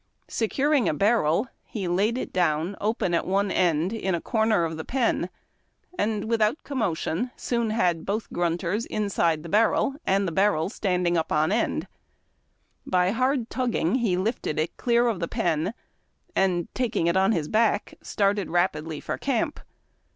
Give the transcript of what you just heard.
Securing a barrel, he laid it down, open at one end, in a corner of the pen, and without commotion soon had both grunters inside the barrel, and the barrel standing on end. By hard tugging he lifted it clear of the pen, and, taking it on his back, started rapidly for camp.